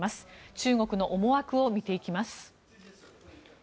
中国の思惑を見ていきます。